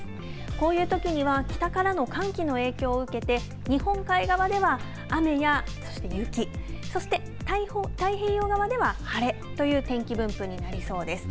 こういうときには北からの寒気の影響を受けて日本海側では雨やそして雪そして太平洋側では晴れという天気分布になりそうです。